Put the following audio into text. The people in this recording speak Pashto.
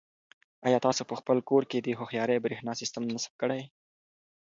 آیا تاسو په خپل کور کې د هوښیارې برېښنا سیسټم نصب کړی؟